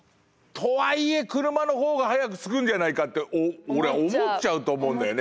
とはいえ車の方が早く着くんじゃないかって思っちゃうと思うんだよね。